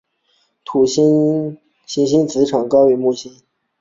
土星的行星磁场强度介于地球和更强的木星之间。